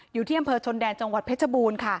อยู่ที่อำเภอชนแดนจังหวัดเพชรบูรณ์ค่ะ